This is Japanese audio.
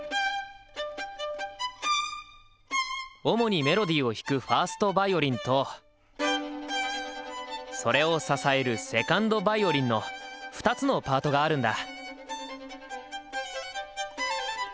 主にメロディーを弾く１ｓｔヴァイオリンとそれを支える２ｎｄヴァイオリンの２つのパートがあるんだ。